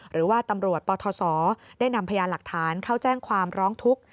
หรือว่าตำรวจปทศได้นำพยานหลักฐานเข้าแจ้งความร้องทุกข์